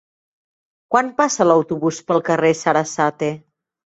Quan passa l'autobús pel carrer Sarasate?